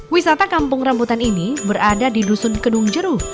wisata kampung rambutan ini berada di dusun kedung jeru